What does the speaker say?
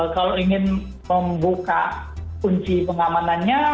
kalau ingin membuka kunci pengamanannya